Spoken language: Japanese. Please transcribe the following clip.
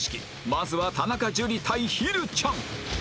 まずは田中樹対ひるちゃん